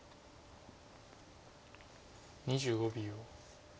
２５秒。